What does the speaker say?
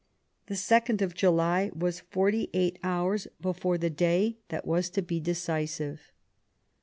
The 2nd of July was forty eight hours before the day that was to be decisive.